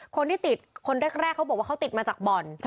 คนที่ติดคนแรกเขาบอกว่าเขาติดมาจากบ่อน